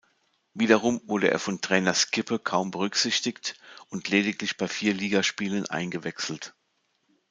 Wiederum wurde er von Trainer Skibbe kaum berücksichtigt und lediglich bei vier Ligaspielen eingewechselt.